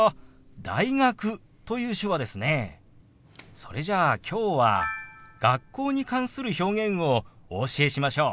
それじゃあきょうは学校に関する表現をお教えしましょう。